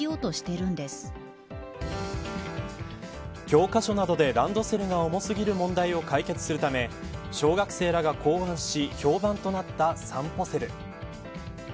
教科書などでランドセルが重すぎる問題を解決するため小学生らが考案し評判となったさんぽセル。